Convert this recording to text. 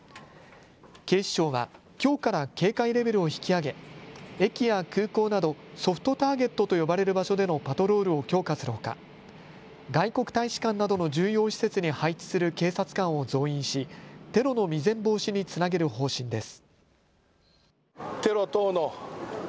警視庁はきょうから警戒レベルを引き上げ、駅や空港などソフトターゲットと呼ばれる場所でのパトロールを強化するほか外国大使館などの重要施設に配置する警察官を増員しテロの未然防止につなげる方針です。